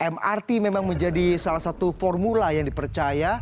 mrt memang menjadi salah satu formula yang dipercaya